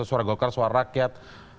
suara golkar suara rakyat